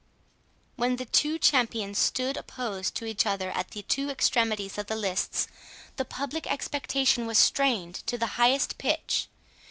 When the two champions stood opposed to each other at the two extremities of the lists, the public expectation was strained to the highest pitch.